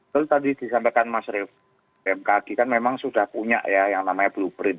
lalu tadi disampaikan mas bmkg kan memang sudah punya ya yang namanya blueprint